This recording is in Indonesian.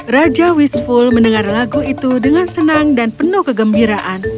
raja wisful mendengar lagu itu dengan senang dan penuh kegembiraan